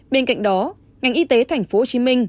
bên cạnh đó ngành y tế tp hcm